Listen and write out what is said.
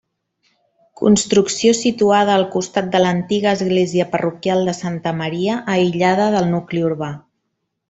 Construcció situada al costat de l'antiga església parroquial de Santa Maria, aïllada del nucli urbà.